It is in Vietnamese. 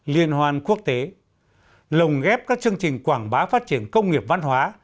liên hoan quốc tế lồng ghép các chương trình quảng bá phát triển công nghiệp văn hóa